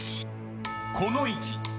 ［この位置］